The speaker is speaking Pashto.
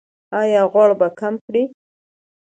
ایا غوړ به کم کړئ؟